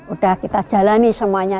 udah kita jalani semuanya